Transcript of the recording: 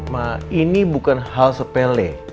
nah ini bukan hal sepele